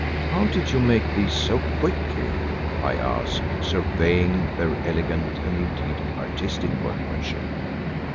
"How did you make these so quickly," I asked, surveying their elegant and indeed artistic workmanship.